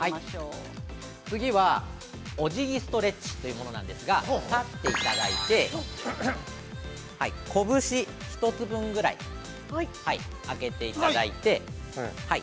◆次は、おじぎストレッチというものなんですが立っていただいて拳１つ分ぐらいあけていただいて。